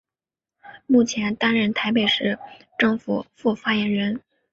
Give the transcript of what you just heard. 目前担任台北市政府副发言人。